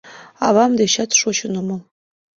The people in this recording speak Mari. Авам дечат шочын омыл